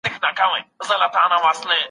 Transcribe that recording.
مخلوقات ډیر زیات او رنګارنګ دي.